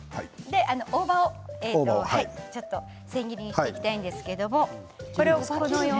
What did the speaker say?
大葉を千切りにしてできるんですか。